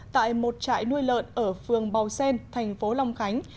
tại một trại nuôi lợn ở phường bào xen thành phố long khánh